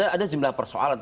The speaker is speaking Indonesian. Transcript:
ada jumlah persoalan